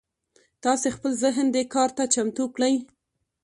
تاسې خپل ذهن دې کار ته چمتو کړئ.